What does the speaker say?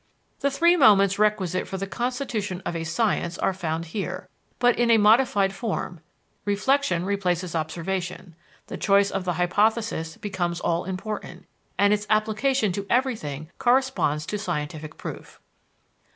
_ The three moments requisite for the constitution of a science are found here, but in a modified form: reflection replaces observation, the choice of the hypothesis becomes all important, and its application to everything corresponds to scientific proof.